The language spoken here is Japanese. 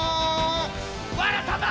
「わらたま」。